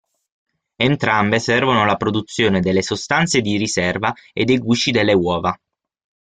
Entrambe servono alla produzione delle sostanze di riserva e dei gusci delle uova.